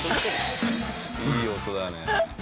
いい音だね。